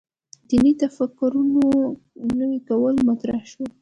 دیني تفکر نوي کول مطرح شو.